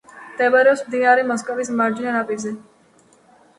მდებარეობს მდინარე მოსკოვის მარჯვენა ნაპირზე.